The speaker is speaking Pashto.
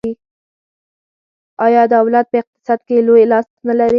آیا دولت په اقتصاد کې لوی لاس نلري؟